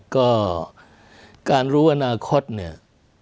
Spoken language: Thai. ก็การรู้อนาคตเนี่ย